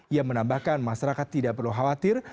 ia menambahkan masyarakat tidak perlu khawatir